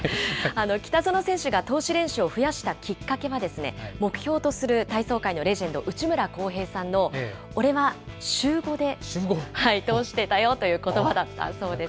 北園選手が通し練習を増やしたきっかけは、目標とする体操界のレジェンド、内村航平さんの俺は週５で通してたよということばだったそうです